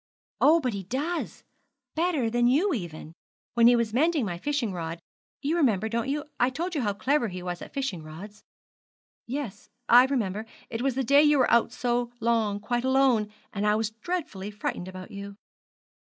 'Oh, but he does better than you even. When he was mending my fishing rod you remember, don't you? I told you how clever he was at fishing rods.' 'Yes, I remember it was the day you were out so long quite alone; and I was dreadfully frightened about you.'